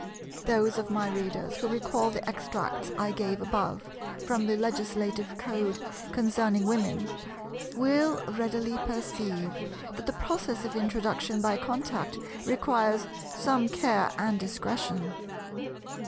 Those of my readers who recall the extracts I gave above from the Legislative code concerning Women, will readily perceive that the process of introduction by contact requires some care and discretion.